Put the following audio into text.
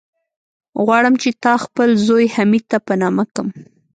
غواړم چې تا خپل زوی، حميد ته په نامه کم.